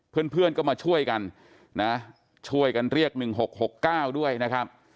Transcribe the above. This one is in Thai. เพื่อนก็มาช่วยกันนะช่วยกันเรียก๑๖๖๙ด้วยนะครับ